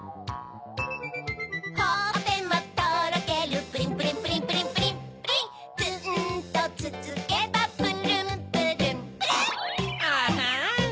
ほっぺもとろけるプリンプリンプリンプリンプリンプリンつんとつつけばプルンプルンプルンアハン！